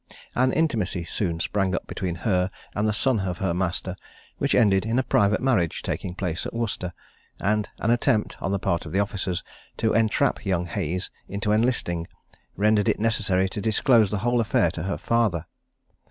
An intimacy soon sprang up between her and the son of her master, which ended in a private marriage taking place at Worcester; and an attempt, on the part of the officers, to entrap young Hayes into enlisting, rendered it necessary to disclose the whole affair to the father.